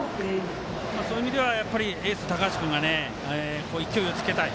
そういう意味ではエース、高橋君が勢いをつけたい。